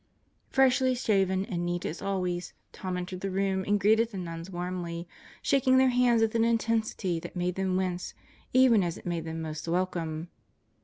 Freshly shaven and neat as always, Tom entered the room and greeted tie nuns warmly, shaking their hands with an intensity that made them wince even as it made them most welcome.